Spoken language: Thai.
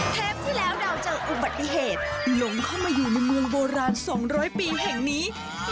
ที่แล้วดาวเจออุบัติเหตุหลงเข้ามาอยู่ในเมืองโบราณ๒๐๐ปีแห่งนี้